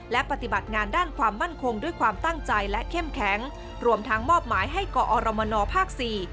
และปฏิบัติงานด้านความมั่นคงด้วยความตั้งใจและเข้มแข็งรวมทั้งมอบหมายให้กอรมนภาคสี่